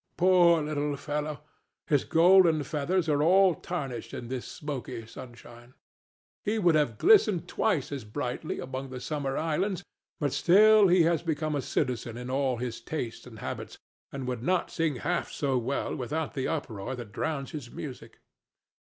Poor little fellow! His golden feathers are all tarnished in this smoky sunshine; he would have glistened twice as brightly among the summer islands, but still he has become a citizen in all his tastes and habits, and would not sing half so well without the uproar that drowns his music.